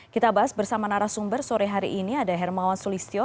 kita bahas bersama narasumber sore hari ini ada hermawan sulistyo